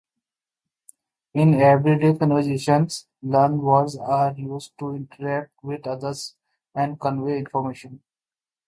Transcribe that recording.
In everyday conversations, learned words are used to interact with others and convey information.